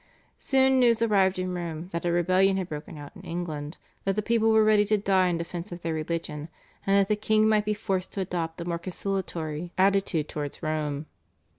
Soon news arrived in Rome that a rebellion had broken out in England, that the people were ready to die in defence of their religion, and that the king might be forced to adopt a more conciliatory attitude towards Rome.